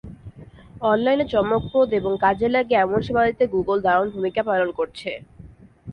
অনলাইনে চমকপ্রদ এবং কাজে লাগে এমন সেবা দিতে গুগল দারুণ ভূমিকা পালন করছে।